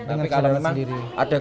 dengan gedaran sendiri